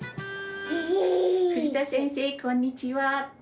藤田先生こんにちは！